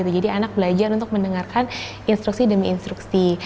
jadi anak belajar untuk mendengarkan instruksi demi instruksi